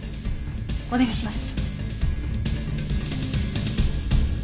お願いします。